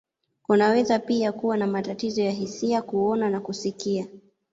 Kunaweza pia kuwa na matatizo ya hisia, kuona, na kusikia.